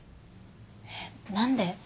えっ何で？